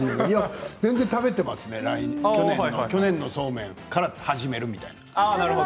全然、食べてますね去年のそうめんから分かる。